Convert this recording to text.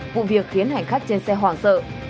vụ việc khiến hành khách trên xe hoảng sợ